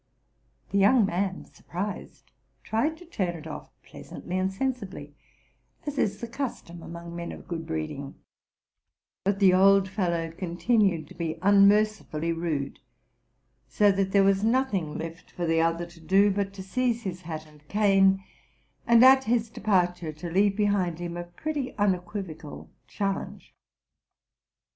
The young man, surprised, tried to turn it off pleasantly and sensibly, as is the custom among men of good breeding: but the old fellow continued to be unmercifully rude ; so that there was nothing left for the other to do but to seize his hat and cane, and at his departure to leave behind him a pretty un equivocal challenge.